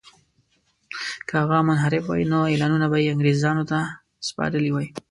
که هغه منحرف وای نو اعلانونه به یې انګرېزانو ته سپارلي وای.